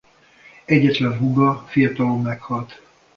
Egyetlen húga fiatalon meghalt.